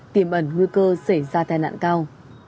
tìm ẩn nguy cơ xảy ra tai nạn cao